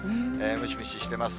ムシムシしてます。